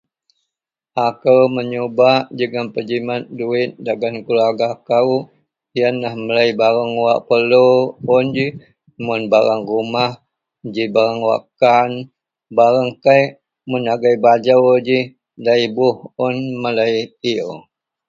akou meyubak jegum pejimat duwit dagen keluarga kou, ienlah melei barang wak perlu un ji, mun barang rumah ji barang wakkan barang kek, mun agei bajau ji da iboh un melei iew